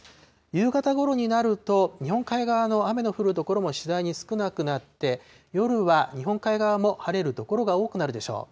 夕方ごろになると、日本海側の雨の降る所も次第に少なくなって、夜は日本海側も晴れる所が多くなるでしょう。